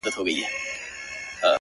o پر كومه تگ پيل كړم ـ